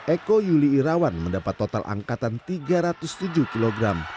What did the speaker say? eko yuli irawan mendapat total angkatan tiga ratus tujuh kg